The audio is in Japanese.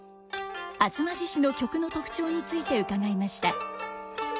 「吾妻獅子」の曲の特徴について伺いました。